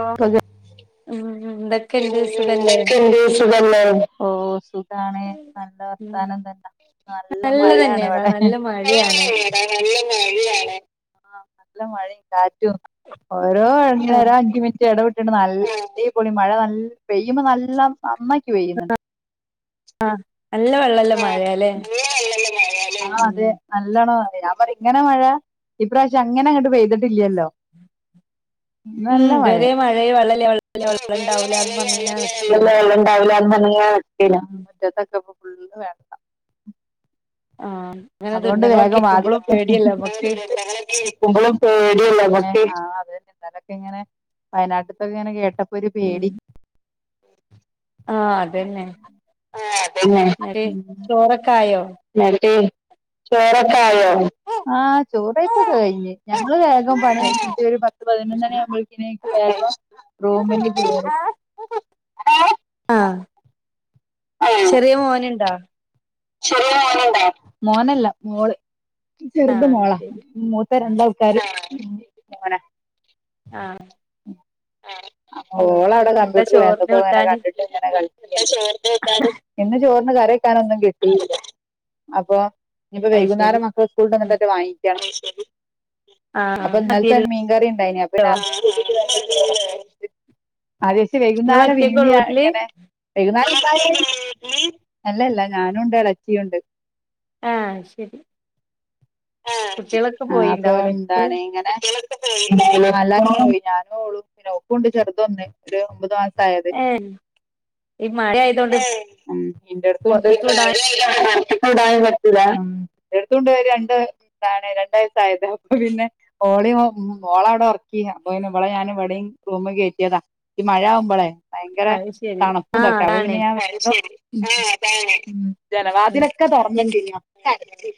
ഓഹ് ഉം ഉം ഉം ഉം ഉം എന്തെക്കെയുണ്ട് സുഖല്ലേ ഓഹ് സുഖാണ് നല്ല വർത്താനം തന്നെ നല്ല മഴയാണ് ഇവിടെ ഏഹ് ആഹ് നല്ല മഴയാണ് ആഹ് നല്ല മഴേം കാ റ്റും ഓരോ അഞ്ച് ഓരോ അഞ്ച് മിനിറ്റ് എടവിട്ടിണ്ട് നല്ലടിപൊളി മഴ നല്ല് പെയ്യുമ്പോ നല്ലം നന്നായിട്ട് പെയ്യുന്നുണ്ട് ആഹ് നല്ല വെള്ളല്ലേ മഴയാല്ലേ ഉം നല്ലണം മഴയാ ഞാൻ പറയാ ഇങ്ങനെ മഴ ഈ പ്രാവശ്യം അങ്ങനെ ഇങ്ങോട്ട് പെയ്തിട്ടില്ല്യല്ലോ ഉം ഇത് വരേ മഴയ് വെള്ളല്ല വെള്ളല്ല വെള്ളം ഇണ്ടാവൂല്ലാന്ന് പറഞ്ഞിങ്ങനെ നിക്കേനു ഇണ്ടാവില്ലാന്നും പറഞ്ഞിങ്ങനെ നിക്കേനു ഉം മുറ്റത്തെക്കിപ്പം ഫുള്ള് വെ ആഹ് അതുകൊണ്ട് വേഗം വാതിലൊക്കെ ക്കുമ്പളും പേടിയല്ലേ അതൊക്കെ ആഹ് അതന്നെ ഇന്നെലെക്കിങ്ങനെ വയനാട്ട്ത്തെ ഇങ്ങനെ കേട്ട ഒരു പേടി ആഹ് അതന്നെ എന്നാലെ ചോറക്കായോ നേരത്തെ ചോറക്കെ ആയോ ആഹ് ചോറ് കയ്പ്പൊക്കെ കയിഞ്ഞ് ഞങ്ങള് വേഗം പണികഴിഞ്ഞിട്ട് ഒരു പത്ത് പതിനൊന്ന് മണിയാവുമ്പ [unintelligible] റൂമില് കേറും ആഹ് ചെറിയ മോന്ണ്ടാ ചെറിയ മോന്ണ്ടാ മോനല്ല മോള് ചെറുത് മോളാ മൂ ത്തെ രണ്ടാൾക്കാരും ആഹ് ആഹ് അപ്പോളവിടെ കമ്പ്യൂട്ടറില് [unintelligible] ഇപ്പൊങ്ങനെ കണ്ടിട്ട് എന്താ ചോറിന്ന് കറി ഇന്ന് ചോറിന് കറി വെക്കാനൊന്നും കിട്ടീല്ല അപ്പൊ ഇനിപ്പോ വൈകുന്നേരം മക്കള് സ്കൂള്ട്ടന്നിട്ടൊക്കെ വാങ്ങിക്കണം അത്‌ ശെരി അപ്പൊ ഇന്നലത്തെ മീൻകറിണ്ടായിനി അപ്പിന്നെ അതും കൂട്ടിട്ട് അ ജസ്റ്റ്‌ വൈകുന്നേരം വല്യ ഇങ്ങനെ വൈകുന്നേരം [unintelligible] വീട്ടില് അല്ലല്ല ഞാനുണ്ട് എളേച്ചിയുണ്ട് ആഹ് ശരി ആഹ് അപ്പൊ എന്താണ് ഇങ്ങനെ എല്ലാരും പോയി ഞാനോളും പിന്നോക്കൂണ്ട് ചെറുതോന്ന് ഒരു ഒമ്പത് മാസയത് ഏ ഈ മഴ ആയിട്ട് ഏ ഉം ഇന്റെട്ത്തൂണ്ട് പൊറുത്ത്ക്ക് വിടാനും പറ്റൂല ന്റട്ത്തൂണ്ടൊരു രണ്ട് ന്താണ് രണ്ട് വയസായത് അപ്പൊ പിന്നെ ഓളി ഓ ഓളവടൊർക്കി അപ്പൊ പിന്നെ വളെ ഞാനിവടിം റൂമിൽ കേറ്റിയതാ ഈ മഴാവുമ്പളെ ഭയങ്കര തണുപ്പും തൊകേ അയ് ശെരി ആഹ് അതാണ് ജനവാതിലൊക്കെ തൊറന്ന്ട്ടീനു ഒ ക്കടച്ചു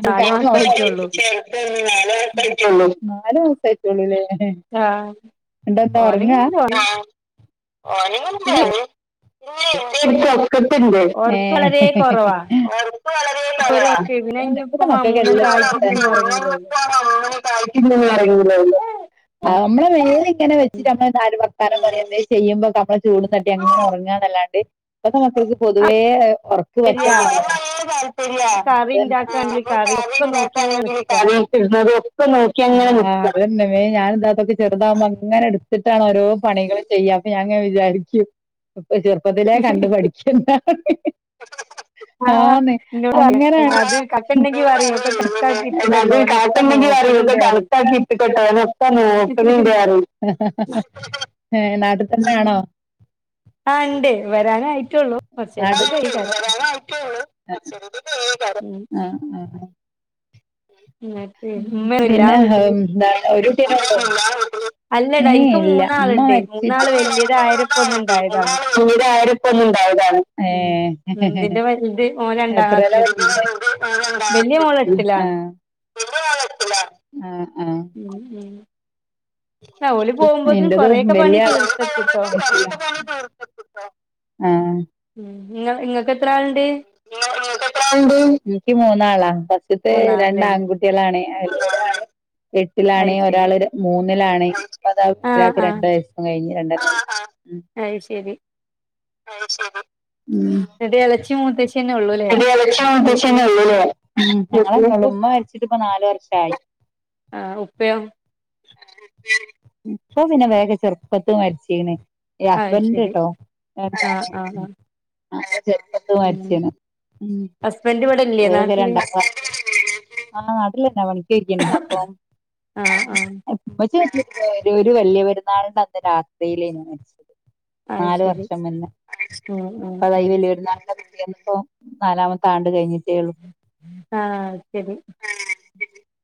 [unintelligible] ഉം നാല് മസായ്റ്റൊള്ളു നാല് മസായ്റ്റൊള്ളൂല്ലേ ന്നട്ടെത്താ ഒർങ്ങാ പ്പൊക്കത്ത്ണ്ട് ഒർക്ക് വളരേ കൊറവാ പ്പത്തെ മക്കക്കെല്ലം [unintelligible] ഇല്ലല്ലാ അറിയൂല ആഹ് നമ്മളെ മേലെങ്ങനെ വെച്ചിട്ട്മ്മ നാല് വർത്താനം പറ ചെയ്യുമ്പോക്കമ്മള ചൂടും തട്ടി അങ്ങനെ ഉറങ്ങാന്നല്ലാണ്ട് ഇപ്പൊത്തെ മക്കക്ക് പൊതുവേ ഒർ ഒർക്ക് പറ്റെ കുറവാ അതന്നെ കറിണ്ടാക്കാണെങ്കില് കറി ഒക്കെ നോക്കി അങ്ങനെ നിക്ക് ആ അതന്നേ ഞാനും ഇത്താതയ്യും ചെറുതാവുമ്പോ അങ്ങനെ എടുത്ത്ട്ട് ആണ് ഓരോ പണികള് ചെയ്യാ അപ്പ ഞാൻങ്ങനെ വിചാരിക്കും ചെർപ്പത്തിലേ കണ്ട് പഠിക്കു [unintelligible] ആന്ന് അങ്ങനെയാ [unintelligible] ഏ നാട്ട് തന്നേണോ ആ ണ്ടേ വരാനായിട്ടുള്ളൂ കൊർച്ചേരം കൂടി കയ്യേക്കാരം ആഹ് ആഹ് പിന്നെ ന്താണ് ഒരുട്ടിനെ ഏ ഇല്ല മ്മ മരിച്ച പിന്നീട് ആരിപ്പ ഒന്നും ഇണ്ടായതാണ് ഏ എത്രേലാ പഠിക്കുന്നേ ആഹ് ആഹ് ആഹ് ഓല് പോവുമ്പോത്തിന് കൊറേയൊക്കെ പണി തീർത്തക്കൂട്ടോ [unintelligible] ആഹ് ഇങ്ങ ഇങ്ങക്കെത്രാള് ഇനിക്ക് മൂന്നാളാ ഫസ്റ്റ്ത്തെ രണ്ടാൺകുട്ടി ട്ട്യാളാണ് അയ്ല് ഒരാള് എട്ടിലാണ് ഒരാള് മൂന്നിലാണ് പ്പ അതാ ഒരാക്ക് രണ്ട് വയസും കഴിഞ്ഞ് രണ്ട് ആഹ് ആഹ് അയ് ശരി ആയ് ശരി ഉം ൻ്റെ എളച്ചി മൂത്തച്ചി ച്ചിയെന്നെള്ളൂലേ മ്മ മരിച്ചിട്ട് പ്പ നാലു വർഷായി ആഹ് ഉപ്പയോ ഇപ്പ പിന്നെ വേഗ ചെറുപ്പത്തില് മരിച്ചീണ് ഏയ് ഹസ്ബൻഡ്ന്റെ ട്ടോ. [unintelligible] ആഹ് ചെറുപ്പത്ത് മരിച്ചിണ്. ഹസ്ബൻഡ് വിടെ ഓരൊക്കെ രണ്ടാം [inaudible] ആഹ് നാട്ടിലെന്നാ പണിക്ക്യോയ്ക്ണ്. അപ്പം ആഹ് ആഹ്. ഇമ്മച്ചി മരിച്ചിട്ട് പ്പ [unintelligible] ഒരു ഒരു വലിയ പെരുന്നാള്ൻ്റന്ന് രാത്രിയിലേനു മെര്ച്ചത്. നാല് വർഷം മുന്നെ. പ്പ ഇതാ വല്ല്യെപെരുന്നാള് [unintelligible] നാലാമത്തെ ആണ്ട് കഴിഞ്ഞിട്ടേള്ളൂ. ആഹ് ശരി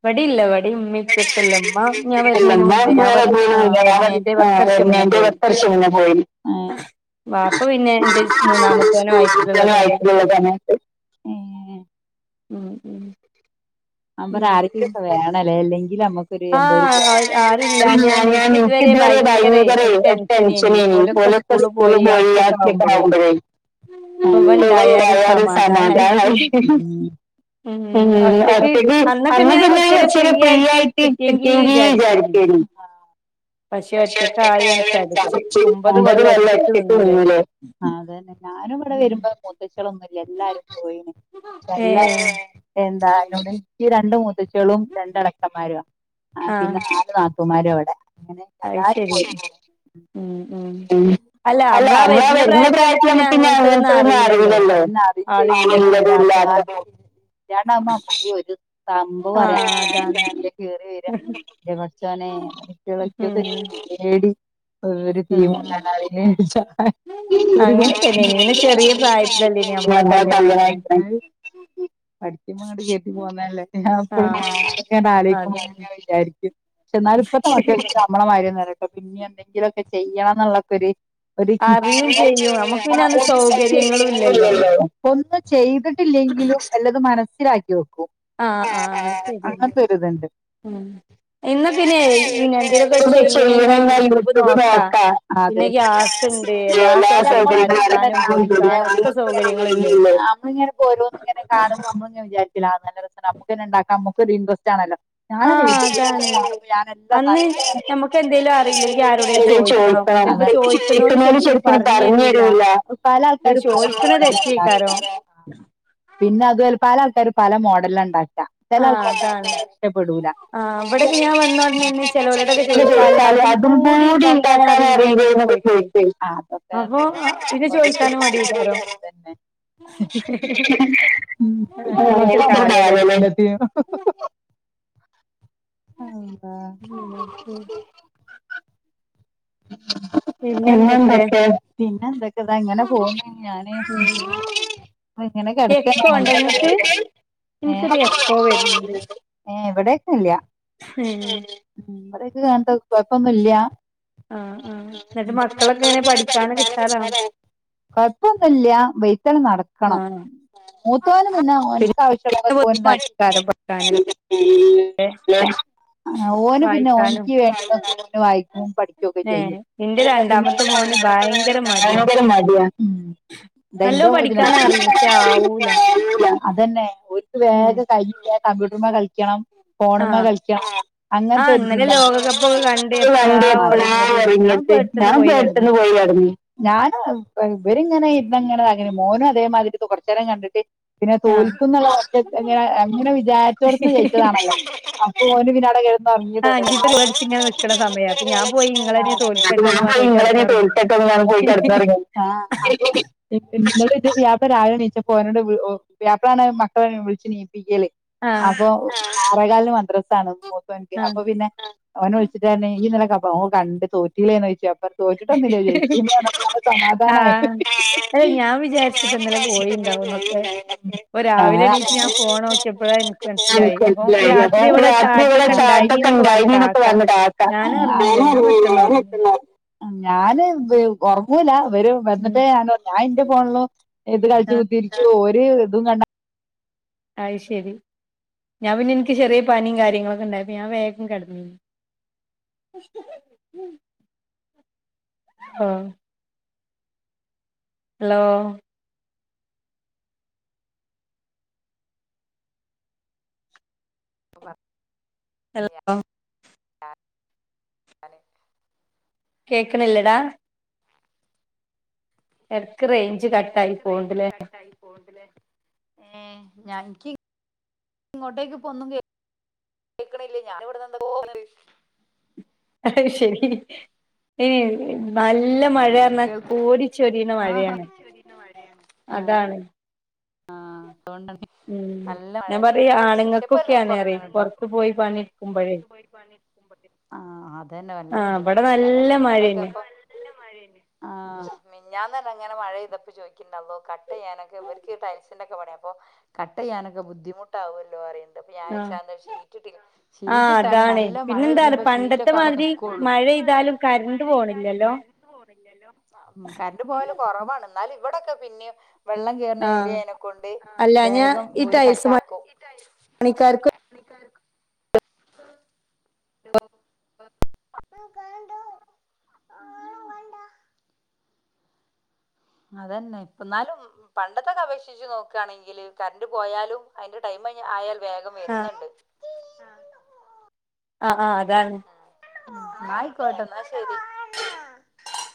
ഇവടില്ല. ഇവടി ഇമ്മി പ്പ്യൊക്കെല്ല. ഇമ്മ ഞാൻ വര്ണേന് മുന്നേ ഞാൻ പതി ആഹ് വര്‌നേൻ്റെ പത്തർഷം മുന്നേ പോയി. വാപ്പ പിന്നെ ഇന്റെ ച് മൂന്നാമത്തോനെ വയറ്റില്ള്ള സമയത്ത്. ഉം ഉം. ഞാൻ പറ്യാ, ആരെങ്കിലൊക്കെ വേണല്ലേ അല്ലെങ്കിൽ നമ്മ ക്കൊര് എന്തോര് [unintelligible] ഇല്ലാഞ്ഞി ഇൻക്ക് ഇതുവരെ ഭയങ്കരെ ഒര് ടെൻഷനേനി. ഓലൊ ക്കെ സ്കൂൾല് പോയി ഞാൻ ഒറ്റക്ക് ആവുമ്പഴേ. സുഖംണ്ടായാലും സമാധാനായി ഉം ഒറ്റക്ക് അന്നൊക്കെ ങ്ങനെ കൊർച്ചേരം ഫ്രീ ആയിട്ട്. കിട്ടിയെങ്കി വിചാരിക്ക്വേനി. പക്ഷെ ഒറ്റക്കായി [unintelligible] ചട്ച്ച്. ഒമ്പത് കൊല്ലം ഒറ്റക്ക് നിന്നിലേ. ആഹ്. അതന്നെ. ഞാനും ഇവടെ വരുമ്പം മുത്തച്ച്യേള് ഒന്നുല്ല. എല്ലാരും പോയിന്. [unintelligible] ല്ലാ ഏഹ് എന്താ അയ്‌നോട് ഇച്ചീ രണ്ട് മൂത്തച്ച്യേളും രണ്ട് എളച്ചന്മാര്വാ. ആഹ് പിന്നെ നാല് നാത്തൂമാരും അവ്ടെ. അങ്ങനെ എല്ലാരും [unintelligible] അല്ല ഞമ്മളാ വര്ന പ്രായത്തിലമ്മക്ക് പിന്നെ അങ്ങൻത്തൊന്നും അറിയൂല്ലല്ലോ. ഉള്ളതും ഇല്ലാത്തതും. ല്യാണാവുമ്പോ നമ്മക്ക് ഒരു സംഭവും അറിയാ [unintelligible] കേറി വരാ. ഇന്റെ പടച്ചോനെ [unintelligible] പേടി തീ [unintelligible] [unintelligible] പഠിച്ചുമ്പോ ങ്ങട്ട് കേറ്റി പോന്നല്ലേ. ഞാൻപ്പളും അതൊക്കേണ്ട അലോയ്ക്കുമ്പം അതങ്ങനെ വിചാരി ക്കും. പക്ഷെ ഇന്നാലും ഇപ്പത്തെ മക്കക് നമ്മളെ മായ്ര്യൊന്നല്ലട്ടൊ. പിന്നി എന്തെങ്കിലൊക്കെ ചെയ്യണം ന്നുള്ളൊക്കൊര് ഒര് കി [unintelligible] ഒന്നും ചെയ്തിട്ടില്ലെങ്കിലും എല്ലതും മനസ്സിലാക്കി വെക്കും. ആഹ് ആഹ്. അങ്ങൻത്തൊരിതുണ്ട്. [unintelligible] പിന്നേ പിന്നേ പിന്നെ പ്പ ചെയ്യെണേ ആ യൂടൂബ് നോക്കാ. [unintelligible] പിന്നെ ഗ്യാസും എല്ലാ സൗകര്യങ്ങളും [unintelligible] [unintelligible] നമ്മള് ങ്ങനെ ഇപ്പോരോന്ന് ങ്ങെനെ കാണുമ്പം നമ്മള് ങ്ങനെ വിചാരിക്കൂല്ലേ. നല്ല രസണ്ട് നമ്മക്കെന്നെ ഇണ്ടാക്കാ. നമ്മക്കൊര് ഇൻട്രസ്റ്റ് ആണല്ലോ. ഞാനൊക്കെ [unintelligible] കാണുമ്പ ഞാനെല്ലാ [unintelligible] എന്നിട്ടു എന്തേലും അറില്ലെങ്കി ആരോടെങ്കിലും ചോയിക്കണം. [unintelligible] ഇപ്പ പോയ്ക്ക്ണോല് ശരിക്കും പറഞ്ഞ് തരൂല്ല. പല ആൾക്കാരും പല മോഡലേകാരം. ഉ [inaudible] പിന്നതു അൽ. പല ആൾക്കാരും പല മോഡൽലാ ണ്ടാക്കാ. ചെല ആൾക്കാര്ക്ക് [unintelligible] ഇഷ്ടപ്പെടൂല. [unintelligible] [unintelligible] അതും കൂടി ഇണ്ടാക്കാൻ അറീലേ ന്നൊക്കെ ചോയ്ക്ക്വേ. [unintelligible] ചോയിക്കാൻ മടിയേക്കാരം. തന്നെ [unintelligible] ഹുഹുഹു ആ [inaudible] പിന്നെ എന്തൊക്കെ പിന്നെ എന്തൊക്കെ ഇതാ അങ്ങനെ പോന്ന് ഞാന് ഇങ്ങനെ കെടക്ക [unintelligible] ഏഹ് ഇവടെക്കെ ഇല്ല ഇവടെക്കെ അങ്ങൻത്തെ കൊഴപ്പൊന്നും ഇല്ല. ആഹ് ആഹ് എന്നിട്ട് മക്കളൊക്കെ എങ്ങനെ പഠിക്കാനൊക്ക ഉഷാറ കൊഴപ്പൊന്നുല്ല വെയ്ത്തളം നട ക്കണം മൂത്തോനും പിന്നെ ഓന്ക്ക് ആവശ്യള്ളതൊക്കെ ഓന് ഇ [inaudible] ഓന് പിന്നെ ഓനിക്ക് വേണ്ടന് വായിക്കും പഠിക്ക ഏഹ് എന്റെ രണ്ടാമത്തെ മോന് ഭയങ്കര മടിയാ നല്ലോ പഠിക്കാനറിയും പഷേ ആവൂല അതന്നെ ഓര്ക്ക് വേഗം കഴിഞ്ഞ കമ്പ്യൂട്ടർമേ കളിക്കണം ഫോണ് മ്മേ കളിക്കാം അങ്ങനത്തെ ഒരു ചിന്ത [inaudible] [unintelligible] പെട്ടന്ന് പോയി കെടന്ന് ഞാന് ഇവരിങ്ങനെ ഇന്നങ്ങനെ [unintelligible] മോനും അതേമാതിരിട്ട് കൊറച്ച് നേരം കണ്ടിട്ട് പിന്നെ തോൽക്കുന്ന [unintelligible] എങ്ങന അങ്ങനെ വിചാരിച്ചോടന്ന് ജയിച്ചതാണല്ലോ ഓന് പിന്നടെ കെടന്ന് ഒറങ്ങിയ [unintelligible] [inaudible] [inaudible] പോയി കെടന്നോറങ്ങി ആഹ് [unintelligible] പുയ്യാപ്ല രാവിലെണീച്ചപ്പോ ഓനോട് പുയ്യാപ്ലണ് മക്കളെ വിളിച്ച് ണിപ്പിക്കല് അപ്പോ ആറേകാലിന് മാദ്രസാണ് മുത്തവന്ക്ക് അപ്പോ പിന്നെ അവന് വിളിച്ചിട്ട് പറഞ്ഞ് ഇയ് ഇന്നലെ [unintelligible] ഓൻ കണ്ട് തോറ്റില്ലേന്ന് ചോയിച്ച് അപ്പ തോറ്റിട്ടോന്നുവില്ല ജയിച്ച്ന്ന് പറഞ്ഞപ്പളാണ് സമാധാനായത് [unintelligible] ആഹ് [inaudible] [unintelligible] രാത്രി ഇവടെ [unintelligible] ക്കെ ഇണ്ടായിനീന്നൊക്കെ പറഞ്ഞു കാക്കാ ഒറങ്ങീല്ല ഞാൻ പെട്ടന്നോറങ്ങി ഞാന് ഒറങ്ങൂല ഇവര് വന്നിട്ടേ ഞാന് ഞാൻ ഇന്റെ ഫോണ്ല് ഇത് കളിച്ചു കുത്തിരിക്കു ഓര് ഇതും കണ്ട അയിശെരി ഞാൻ പിന്നെ ഇൻക്ക് ചെറിയ പനിം കാര്യങ്ങളൊക്കെ ഇണ്ടായിന്നു ഞാൻ വേഗം കെടന്നു അ ആഹ് ഹലോ [unintelligible] ഞാന് കേക്കണില്ലടാ എടക്ക് റേഞ്ച് എടക്ക് റേഞ്ച് കട്ടായി പോവ്ണ്ടിലേ ഏഹ് ഞനിക്ക് ഇങ്ങോട്ടേക്ക് ഇപ്പ ഒന്നും കേ കേക്കണില്ല ഞാൻ ഇവടെനിന്ന് എന്തക്കോ ആഹ് ശെരി ഏഹ് നല്ല മഴ അറ്ന്നാ കോരിച്ചൊരിയുന്ന മഴയാണ്. നല്ല മഴയാണ് അതാണ് ആഹ് അതോണ്ടാണ് നല്ല മഴന്നെന്ന് ഇവടേം പഷേ ഇപ്പോല്ലാം കൊറഞ്ഞുണുട്ടോ [inaudible] പൊറത്ത്പോയി പണി എടുക്കുമ്പഴേ ആഹ് അതന്നെ വല്ല ബുദ്ധിമുട്ടേക്കും അത് തന്നെ ഇന്നലൊക്കെ അപ്പോ നല്ല മഴന്നെ ആഹ് മിനിഞ്ഞാന്ന് തന്നെ അങ്ങനെ മഴെയ്തപ്പോ ചോദിക്കണ്ടല്ലോ അള്ളോ കട്ട് ചെയ്യാനൊക്കെ ഇവ മിഷന്റെക്കെ പണിയാ അപ്പോ കട്ട് ചെയ്യാനൊക്ക ബുദ്ധിമുട്ടാവുല്ലോ അറ വ്യായാഴ്ച അന്നര ഷീറ്റ് ഇട്ടിരുന്ന് ഷീറ്റ് ഇട്ടാലും നല്ല മഴ പെയ്യുമ്പോ ഷീറ്റൊക്കെ അവിടെ നിക്കുള്ളു കറണ്ട് പോണില്ലല്ലോ പിന്ന കറണ്ട് പോയല് കൊറവാണ് എന്നാലും ഇവിടക്കെ പിന്നേം വെള്ളം കേർണ ഏ ഏലക്കൊണ്ട് വേഗം ഓര് കട്ടാക്കും അതന്നെ ഇപ്പന്നാലും പണ്ടത്തൊക്കെ അപേക്ഷിച്ച് നോക്കാണെങ്കില് കറണ്ട് പോയാലും അതിന്റെ ടൈം കൈ ആയാൽ വേഗം വെരുന്നൊണ്ട് ആഹ് ആഹ് അതാണ് ഉം ന്നായിക്കോട്ടെന്നാ ശരി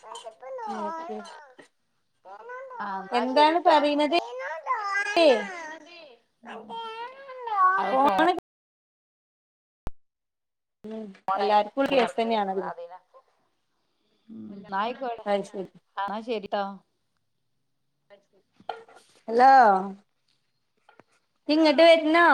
ആ ചെപ്പ് വെള്ളം ഏയ് എ ആഹ് എന്നാ ശെരീട്ടോ അത് പോ പോണേ ഞാൻ ഹാറൂട്ടീന്റടുത്ത്ന്ന് മാറില്ല ഉം എന്നായിക്കോട്ടെ ആ ശരിട്ടാ ഓക്കേ ഹലോ ഇങ്ങട്ട് വെരുന്നോ